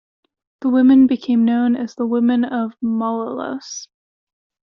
The women became known as the Women of Malolos.